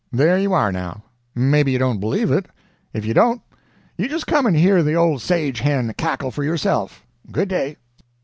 There you are, now. Maybe you don't believe it; if you don't, you just come and hear the old sage hen cackle for yourself. Good day."